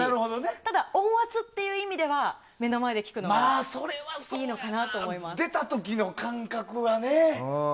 ただ、音圧っていう意味では目の前で聴くのが出た時の感覚はね。